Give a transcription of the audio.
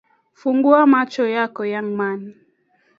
Fungua macho yako, young man